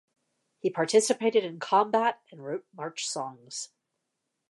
He participated in combat and wrote march songs.